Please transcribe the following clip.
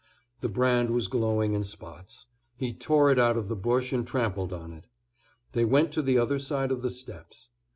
The brand was glowing in spots. He tore it out of the bush and trampled on it. They went to the other side of the steps.